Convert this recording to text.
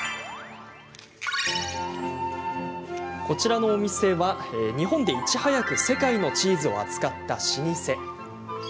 こちらのお店は、日本でいち早く世界のチーズを扱った老舗。